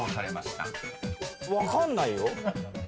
分かんないよ。